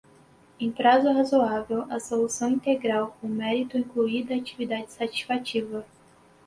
em prazo razoável a solução integral do mérito, incluída a atividade satisfativa